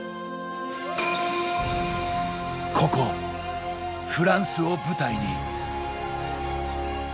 ここ、フランスを舞台に。